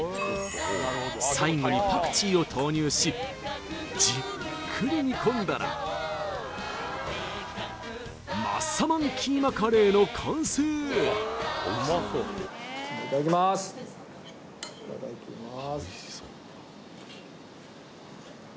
最後にパクチーを投入しじっくり煮込んだらマッサマンキーマカレーの完成いただきますいただきます